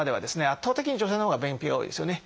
圧倒的に女性のほうが便秘が多いですよね。